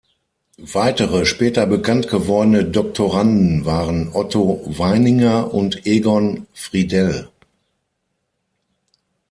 Weitere später bekannt gewordene Doktoranden waren Otto Weininger und Egon Friedell.